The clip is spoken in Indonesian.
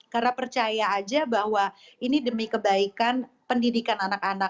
karena percaya aja bahwa ini demi kebaikan pendidikan anak anak